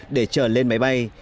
để chờ lên máy bay